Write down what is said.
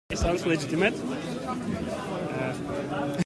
Sounds legitimate.